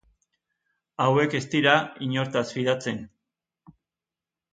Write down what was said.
Hauek ez dira inortaz fidatzen.